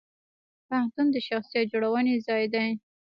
پوهنتون د شخصیت جوړونې ځای دی.